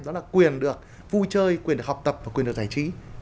đó là quyền được vui chơi quyền được học tập và quyền được giải trí